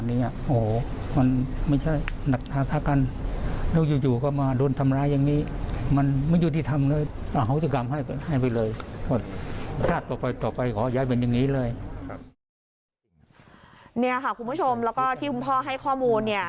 เนี่ยค่ะคุณผู้ชมแล้วก็ที่คุณพ่อให้ข้อมูลเนี่ย